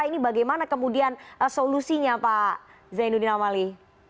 ini bagaimana kemudian solusinya pak zainuddin amali